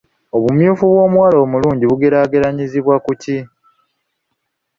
Obumyufu bw’omuwala omulungi bugeraageranyizibwa ku ki ?